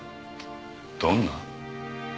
どんな？